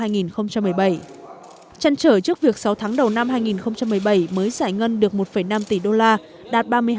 chăn trở trước việc sáu tháng đầu năm hai nghìn một mươi bảy mới giải ngân được một năm tỷ đô la đạt ba mươi hai